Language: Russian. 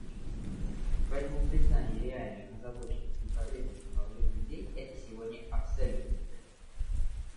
Поэтому признание реальных озабоченностей и потребностей молодых людей — это сегодня абсолютный императив.